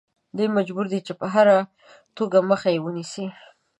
دی مجبور دی چې په هره توګه مخه یې ونیسي.